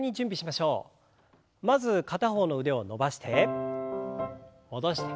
まず片方の腕を伸ばして戻して。